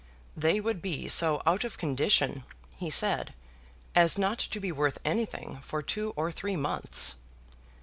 "They would be so out of condition," he said, "as not to be worth anything for two or three months."